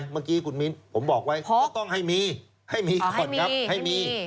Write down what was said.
เมื่อกี้คุณมิ้นผมบอกไว้ก็ต้องให้มีให้มีก่อนครับให้มี